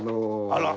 あら！